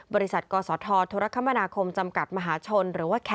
บริษัทกษทธธุรกรรมนาคมจำกัดมหาชน